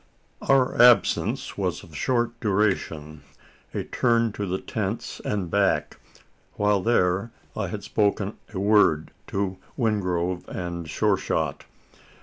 Our absence was of short duration a turn to the tents and back again. While there, I had spoken a word to Wingrove and Sure shot.